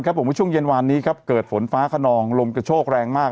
บอกว่าช่วงเย็นวานนี้ครับเกิดฝนฟ้าขนองลมกระโชกแรงมาก